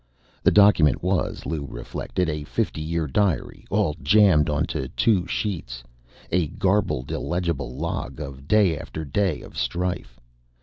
The document was, Lou reflected, a fifty year diary, all jammed onto two sheets a garbled, illegible log of day after day of strife.